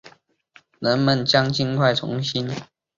人们将尽快重新在这座山上种树。